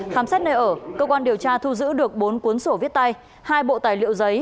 khám xét nơi ở cơ quan điều tra thu giữ được bốn cuốn sổ viết tay hai bộ tài liệu giấy